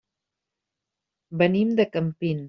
Venim de Campins.